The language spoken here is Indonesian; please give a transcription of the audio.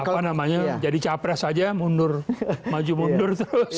apa namanya jadi capres saja mundur maju mundur terus